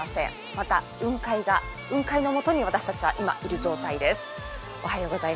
また、雲海のもとに私たちは今、いる状態です。